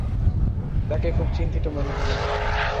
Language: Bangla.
তাঁকে খুব চিন্তিত মনে হল।